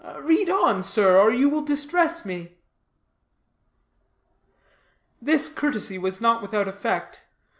Read on, sir, or you will distress me." This courtesy was not without effect.